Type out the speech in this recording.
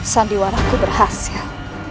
sandiwala ku berhasil